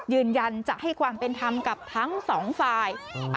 ยืนยันจะให้ความเป็นธรรมกับทั้งสองฝ่าย